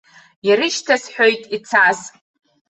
Ирышьҭасҳәоит ицаз.